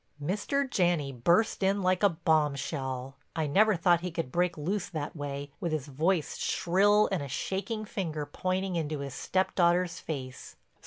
Mr. Janney burst in like a bombshell. I never thought he could break loose that way, with his voice shrill and a shaking finger pointing into his stepdaughter's face.